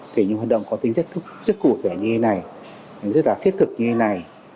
thế nhưng hoạt động có tính rất cụ thể như thế này rất là thiết thực như thế này